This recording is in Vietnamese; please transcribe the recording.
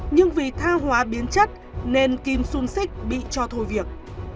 nhưng vì tha hóa biến chất nên kim xuân xích bị cho thôi việc